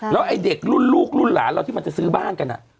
แล้วไอ้เด็กรุ่นลูกรุ่นหลานเราที่มันจะซื้อบ้านกัน